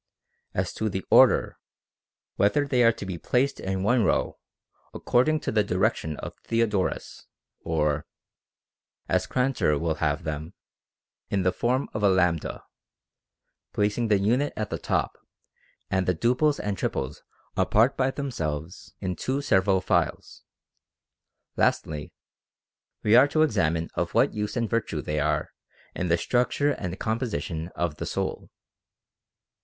As to the order, whether they are to be placed in one row, according to the direction of Theodoras, or (as Grantor will have them) in the form of a si, placing the unit at the top, and the duples and triples apart by themselves in two several files. Lastly, we are to examine of what use and virtue they are in the structure and com position of the soul.